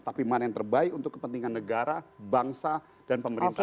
tapi mana yang terbaik untuk kepentingan negara bangsa dan pemerintah